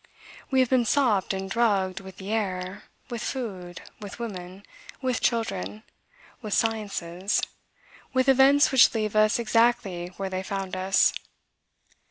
We have been sopped and drugged with the air, with food, with woman, with children, with sciences, with events which leave us exactly where they found us.